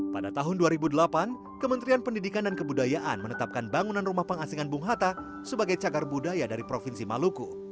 pada tahun dua ribu delapan kementerian pendidikan dan kebudayaan menetapkan bangunan rumah pengasingan bung hatta sebagai cagar budaya dari provinsi maluku